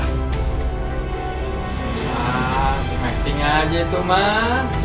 ya dimaking aja itu mah